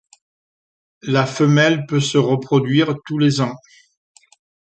La femelle peut se reproduire tous les ans.